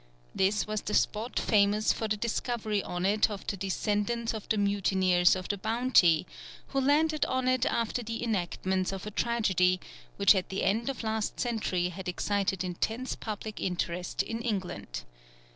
This was the spot famous for the discovery on it of the descendants of the mutineers of the Bounty, who landed on it after the enactment of a tragedy, which at the end of last century had excited intense public interest in England.